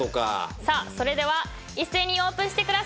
さあそれでは一斉にオープンしてください。